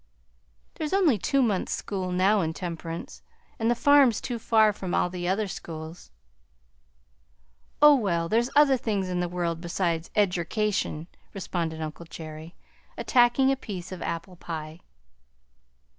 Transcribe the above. "There's only two months' school now in Temperance, and the farm 's too far from all the other schools." "Oh well! there's other things in the world beside edjercation," responded uncle Jerry, attacking a piece of apple pie.